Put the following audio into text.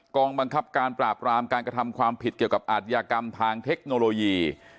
กองบังคับการปราบรามการกระทำความผิดเกี่ยวกับอาทยากรรมทางเทคโนโลยี